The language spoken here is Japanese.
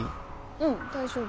うん大丈夫。